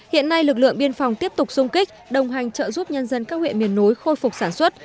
hiện nay lực lượng biên phòng tiếp tục sung kích đồng hành trợ giúp nhân dân các huyện miền núi khôi phục sản xuất